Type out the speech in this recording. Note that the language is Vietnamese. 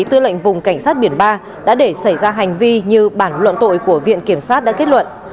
tư lệnh vùng cảnh sát biển ba đã để xảy ra hành vi như bản luận tội của viện kiểm sát đã kết luận